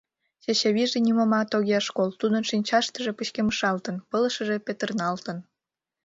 Чачавийже нимомат огеш кол, тудын шинчаштыже пычкемышалтын, пылышыже петырналтын.